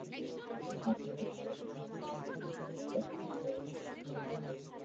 এটি ব্যবহারের ফলে প্রথম গাড়িটির নির্দেশনা অনুসরণ করে দ্বিতীয়টি স্বয়ংক্রিয়ভাবে চলবে।